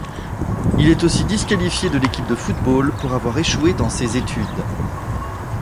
Il est aussi disqualifié de l'équipe de football pour avoir échoué dans ses études.